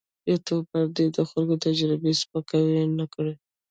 یوټوبر دې د خلکو تجربې سپکاوی نه کړي.